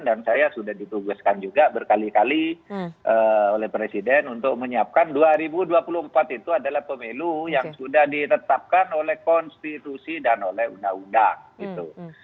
dan saya sudah ditugaskan juga berkali kali oleh presiden untuk menyiapkan dua ribu dua puluh empat itu adalah pemilu yang sudah ditetapkan oleh konstitusi dan oleh undang undang